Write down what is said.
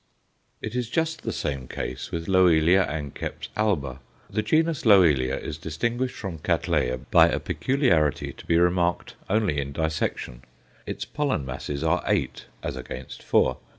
It is just the same case with Loelia anceps alba. The genus Loelia is distinguished from Cattleya by a peculiarity to be remarked only in dissection; its pollen masses are eight as against four.